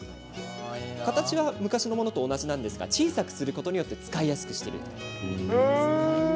形は昔のものと同じなんですが小さくすることによって使いやすくなっています。